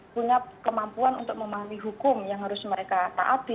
punya kemampuan untuk memahami hukum yang harus mereka taati